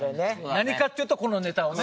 何かっていうとこのネタをね。